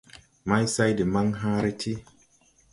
Maysay de maŋ hããre ti.